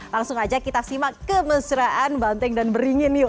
langsung aja kita simak kemesraan banteng dan beringin yuk